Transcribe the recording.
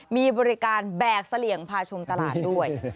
มีบริการแบกเสลี่ยงพาชมตลาดด้วย